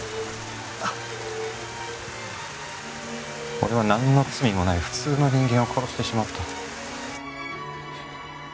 俺はなんの罪もない普通の人間を殺してしまった。